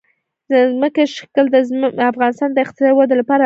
ځمکنی شکل د افغانستان د اقتصادي ودې لپاره ارزښت لري.